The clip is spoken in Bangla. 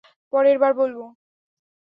পরের বার বলবো।